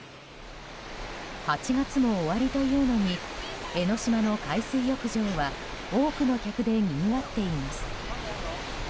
８月も終わりというのに江の島の海水浴場は多くの客でにぎわっています。